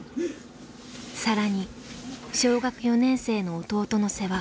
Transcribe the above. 更に小学４年生の弟の世話。